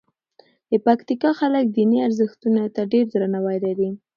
د پکتیکا خلک دیني ارزښتونو ته ډېر درناوی لري.